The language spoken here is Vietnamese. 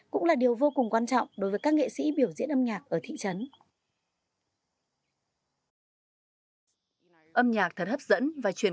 cũng là điều vô cùng quan trọng đối với các nghệ sĩ biểu diễn âm nhạc ở thị trấn